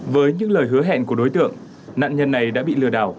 với những lời hứa hẹn của đối tượng nạn nhân này đã bị lừa đảo